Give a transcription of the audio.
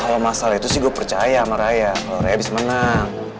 kalau masalah itu sih gue percaya sama raya kalau raya habis menang